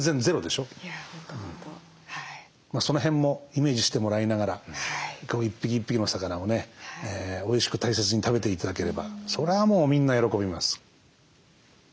その辺もイメージしてもらいながら一匹一匹の魚をねおいしく大切に食べて頂ければそれはもうみんな喜びます。